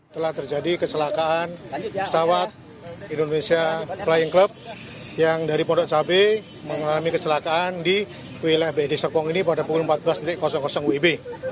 telah terjadi kecelakaan pesawat indonesia flying club yang dari pondok cabai mengalami kecelakaan di wilayah bd serpong ini pada pukul empat belas wib